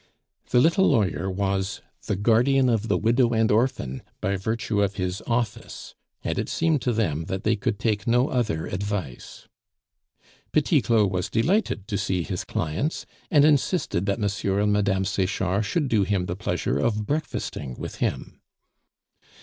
The little lawyer was the guardian of the widow and orphan by virtue of his office, and it seemed to them that they could take no other advice. Petit Claud was delighted to see his clients, and insisted that M. and Mme. Sechard should do him the pleasure of breakfasting with him.